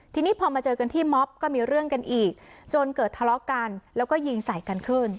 ทีนี้พอมาเจอกันที่ม็อบก็มีเรื่องกันอีกจนเกิดทะเลาะกันแล้วก็ยิงใส่กันขึ้น